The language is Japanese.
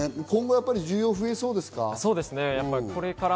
今後、やっぱり需要は増えそうですか？